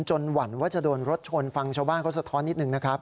หวั่นว่าจะโดนรถชนฟังชาวบ้านเขาสะท้อนนิดนึงนะครับ